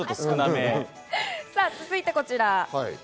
続いて、こちら。